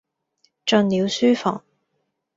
進了書房，